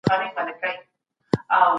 بشري قوانین تل د تېروتنې چانس لري.